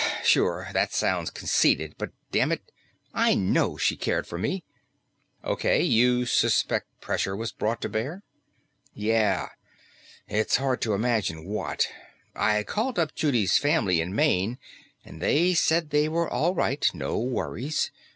Sure, that sounds conceited, but dammit, I know she cared for me." "Okay. You suspect pressure was brought to bear?" "Yeah. It's hard to imagine what. I called up Judy's family in Maine, and they said they were all right, no worries.